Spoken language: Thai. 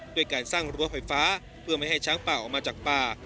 ด้วยการสร้างรั้วไฟฟ้าเพื่อไม่ให้ช้างป่าออกมาจากป่า